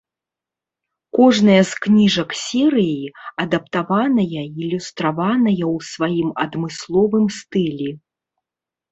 Кожная з кніжак серыі адаптаваная і ілюстраваная ў сваім адмысловым стылі.